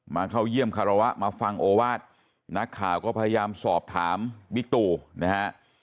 เข้าเยี่ยมคารวะมาฟังโอวาสนักข่าวก็พยายามสอบถามบิ๊กตูนะฮะ